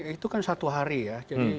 itu kan satu hari ya